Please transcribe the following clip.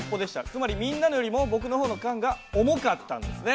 つまりみんなのよりも僕の方の缶が重かったんですね。